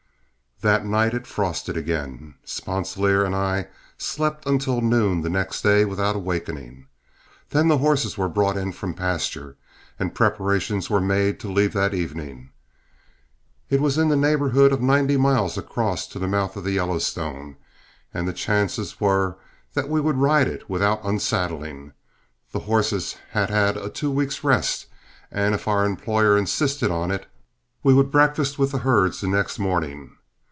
That night it frosted again. Sponsilier and I slept until noon the next day without awakening. Then the horses were brought in from pasture, and preparation was made to leave that evening. It was in the neighborhood of ninety miles across to the mouth of the Yellowstone, and the chances were that we would ride it without unsaddling. The horses had had a two weeks' rest, and if our employer insisted on it, we would breakfast with the herds the next morning.